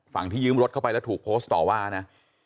ที่ยืมรถเข้าไปแล้วถูกโพสต์ต่อว่านะ